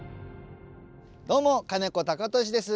どうも金子貴俊です。